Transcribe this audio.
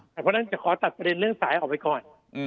เพราะฉะนั้นจะขอตัดประเด็นเรื่องสายออกไปก่อน